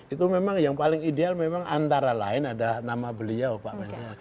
itu memang yang paling ideal memang antara lain ada nama beliau pak menko